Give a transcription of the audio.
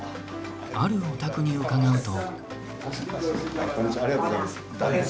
あるお宅に伺うと。